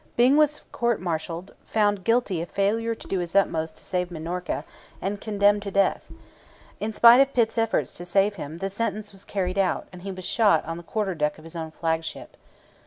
Byng was court martialled, found guilty of failure to do his utmost to save Minorca, and condemned to death. In spite of Pitt's efforts to save him, the sentence was carried out and he was shot on the quarter deck of his own flagship.